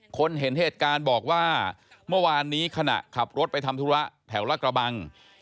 คนเห็นเหตุการณ์บอกว่าเมื่อวานนี้ขณะขับรถไปทำธุระแถวละกระบัง